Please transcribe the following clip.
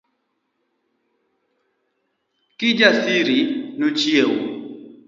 Kijasiri nochiewo